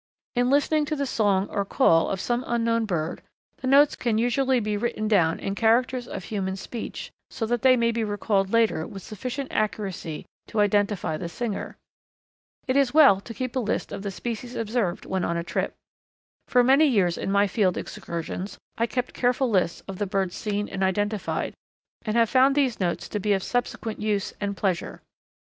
In listening to the song or call of some unknown bird, the notes can usually be written down in characters of human speech so that they may be recalled later with sufficient accuracy to identify the singer. It is well to keep a list of the species observed when on a trip. For many years in my field excursions I have kept careful lists of the birds seen and identified, and have found these notes to be of subsequent use and pleasure.